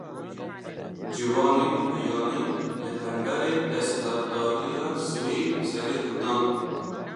Ciwanên biyanî, li hemberî desthilatdariya Swêd serî hildan